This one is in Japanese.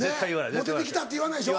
モテてきたって言わないでしょ。